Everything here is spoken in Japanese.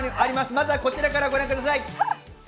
まずはこちらからご覧ください。